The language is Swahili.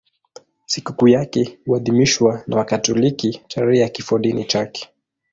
Sikukuu yake huadhimishwa na Wakatoliki tarehe ya kifodini chake.